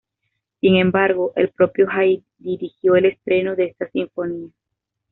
Sin embargo, el propio Haydn dirigió el estreno de esta sinfonía.